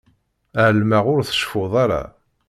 Ɛelmeɣ ur tceffuḍ ara.